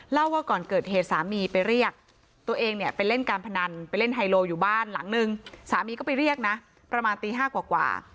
เล่าว่าก่อนเกิดเหตุสามีไปเรียกตัวเองเนี่ยไปเล่นการพนันไปเล่นไฮโลอยู่บ้านหลังนึงสามีก็ไปเรียกนะประมาณตี๕กว่า